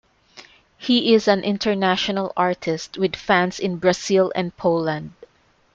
He is an international artist with fans in Brasil and Poland.